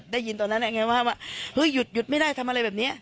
ได้ยินตอนนั้นไงว่าเฮ้ยหยุดหยุดไม่ได้ทำอะไรแบบนี้